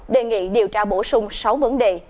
đề nghị điều tra bổ sung sáu vấn đề